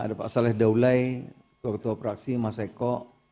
ada pak saleh daulai ketua praksi mas eko